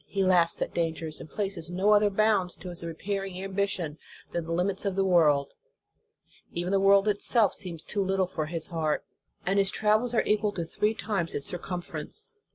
He laughs at dangers, and places no other bounds to his repairing ambition than the limits of the world. Even 288 The Sign of the Cross the world itself seems too little for his heart, and his travels are equal to three times its circumference.